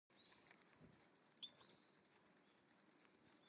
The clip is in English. It was used in the Second World War as an army hospital.